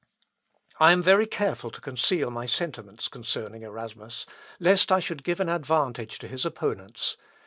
I am very careful to conceal my sentiments concerning Erasmus, lest I should give an advantage to his opponents.